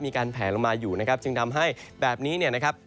มีการแผลลงมาอยู่นะครับจึงทำให้แบบนี้เนี่ยนะครับ